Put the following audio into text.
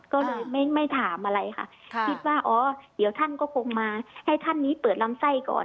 ก็เลยไม่ถามอะไรค่ะคิดว่าอ๋อเดี๋ยวท่านก็คงมาให้ท่านนี้เปิดลำไส้ก่อน